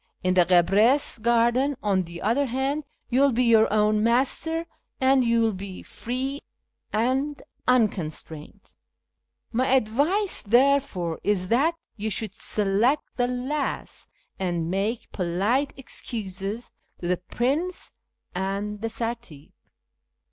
In the guebres' garden, on the other hand, you will be your own master, and will be free and unconstrained. My advice, 432 A YEAR AMONGST THE PERSIANS therefore, is, that you should select the last, and make polite excuses to the prince and the sartip."